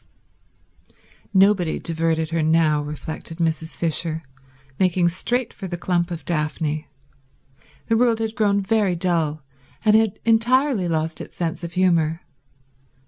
Nobody diverted her now, reflected Mrs. Fisher, making straight for the clump of daphne; the world had grown very dull, and had entirely lost its sense of humour.